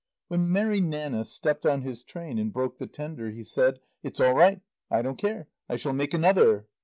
When Mary Nanna stepped on his train and broke the tender, he said "It's all right. I don't care. I shall make another."